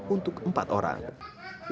untuk mencari penyakit yang berbeda